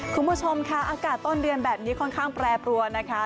คุณผู้ชมค่ะอากาศต้นเดือนแบบนี้ค่อนข้างแปรปรวนนะคะ